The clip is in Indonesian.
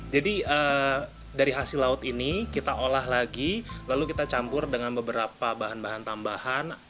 jadi dari hasil laut ini kita olah lagi lalu kita campur dengan beberapa bahan bahan tambahan